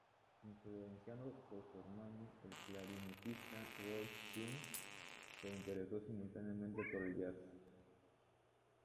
Influenciado por su hermano, el clarinetista Rolf Kühn, se interesó simultáneamente por el jazz.